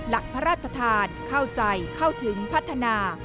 หลักพระราชทานเข้าใจเข้าถึงพัฒนา